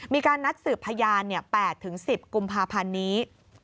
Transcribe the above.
มีการนัดสืบพยาน๘๑๐กุมภาพันธ์นี้